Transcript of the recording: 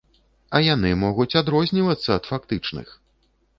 А яны могуць адрознівацца ад фактычных!